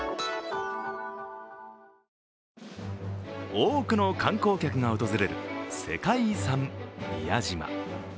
多くの観光客が訪れる世界遺産・宮島。